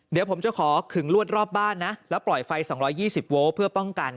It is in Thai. เดี๋ยวผมจะขอขึงลวดรอบบ้านนะแล้วปล่อยไฟ๒๒๐โวลต์เพื่อป้องกัน